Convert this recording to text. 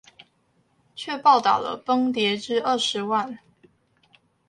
卻報導了崩跌至二十萬